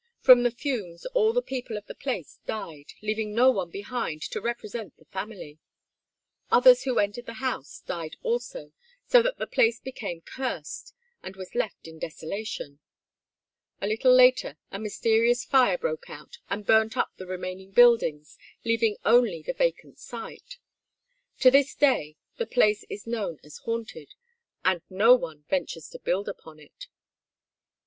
From the fumes all the people of the place died, leaving no one behind to represent the family. Others who entered the house died also, so that the place became cursed, and was left in desolation. A little later a mysterious fire broke out and burnt up the remaining buildings, leaving only the vacant site. To this day the place is known as "haunted," and no one ventures to build upon it.